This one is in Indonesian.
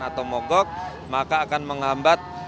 atau mogok maka akan menghambat